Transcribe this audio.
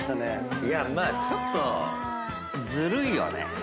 いやまあちょっとずるいよね。